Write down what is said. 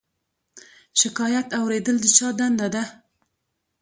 شکایت اوریدل د چا دنده ده؟